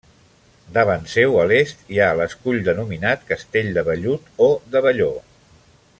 Davant seu, a l'est, hi ha l'escull denominat Castell de Vellut, o de Velló.